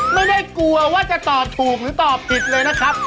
ไม่ได้กลัวว่าจะตอบถูกหรือตอบผิดเลยนะครับ